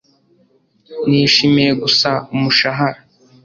Nishimiye gusa umushahara